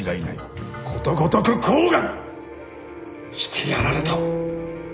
ことごとく甲賀にしてやられた。